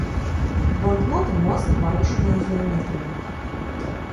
У банкноты моцна парушаная геаметрыя.